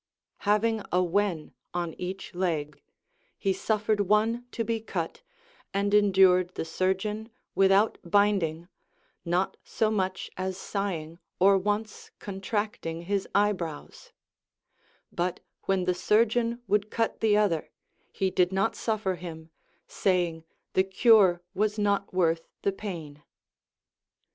Having a Λνοη on each leg, he suffered one to be cut, and endured the surgeon without binding, not so much as sighing or once contracting his eyebroAvs ; but when the surgeon 240 THE APOPHTHEGMS OF KINGS would cut the other, he did not suiFer him, saying the cure was not worth the pain.